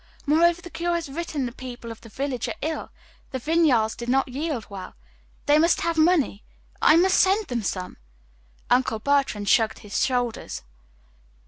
Moreover, the curé has written the people of the village are ill the vineyards did not yield well. They must have money. I must send them some." Uncle Bertrand shrugged his shoulders.